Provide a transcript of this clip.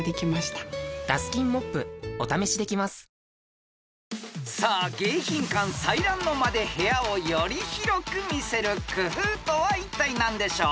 ペイトク［さあ迎賓館彩鸞の間で部屋をより広く見せる工夫とはいったい何でしょう？